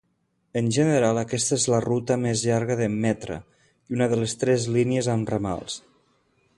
En general, aquesta és la ruta més llarga de Metra i una de les tres línies amb ramals.